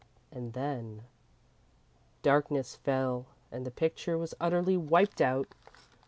And then Darkness fell and the picture was utterly wiped out.